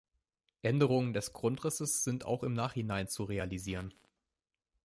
Änderungen des Grundrisses sind auch im Nachhinein zu realisieren.